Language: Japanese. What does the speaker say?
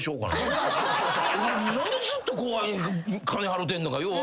何でずっと後輩に金払うてんのか分かれへんのよ。